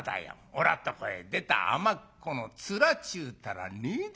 おらとこへ出たあまっこの面ちゅうたらねえだ。